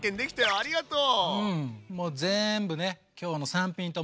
ありがとう！